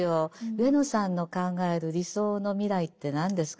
「上野さんの考える理想の未来って何ですか？」。